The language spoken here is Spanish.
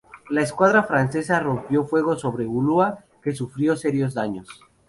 La escuadra francesa rompió fuego sobre Ulúa que sufrió serios daños.